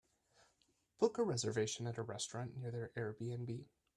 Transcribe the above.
Book a reservation at a restaurant nearby their airbnb